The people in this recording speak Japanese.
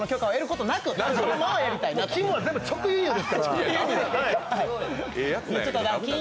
きむは全部、直輸入ですから。